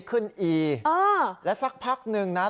ขึ้นอีและสักพักนึงนะ